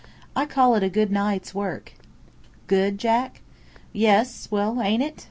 "I call it a good night's work." "Good, Jack?" "Yes. Well, ain't it?"